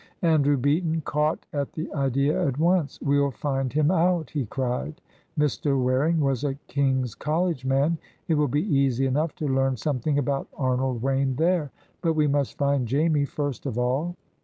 Andrew Beaton caught at the idea at once. "We'll find him out!" he cried. "Mr. Waring was a King's College man. It will be easy enough to learn something about Arnold Wayne there. But we must find Jamie first of all."